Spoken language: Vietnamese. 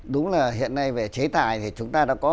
đúng là hiện nay về chế tài thì chúng ta đã có